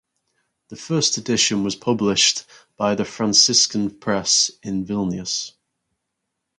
The first edition was published by the Franciscan press in Vilnius.